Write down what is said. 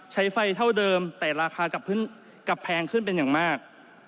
ใช้ไฟเท่าเดิมแต่ราคากลับแพงขึ้นเป็นอย่างมาก